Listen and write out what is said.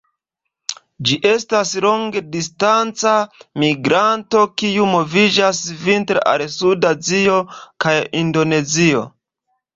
Ĝi estas longdistanca migranto kiu moviĝas vintre al suda Azio kaj Indonezio.